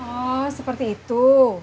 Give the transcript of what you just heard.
oh seperti itu